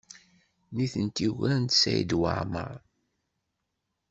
Nitenti ugarent Saɛid Waɛmaṛ.